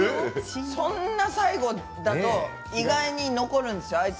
そんな最後だと意外に残るんですよ